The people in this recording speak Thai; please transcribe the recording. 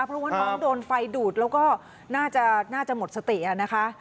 เพราะว่าน้องโดนไฟดูดแล้วก็น่าจะหมดสตินะคะ